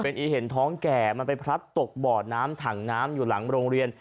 เป็นอีเห็นท้องแก่มันไปพลัดตกบ่อน้ำถังน้ำอยู่หลังโรงเรียน